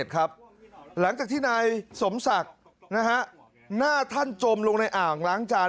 อายุ๖๑ครับหลังจากที่นายสมศักดิ์นะฮะหน้าท่านจมลงในอ่างล้างจาน